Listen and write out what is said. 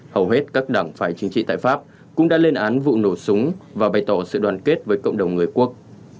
hầu hết các đảng phái chính trị tại pháp cũng đã lên án vụ nổ súng và bày tỏ sự đoàn kết với cộng đồng người quốc